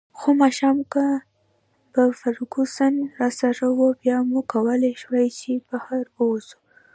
خو ماښام که به فرګوسن راسره وه، بیا مو کولای شوای چې بهر ووځو.